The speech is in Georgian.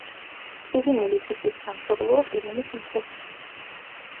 ყირიმული ფიჭვის სამშობლოა ყირიმის მთები.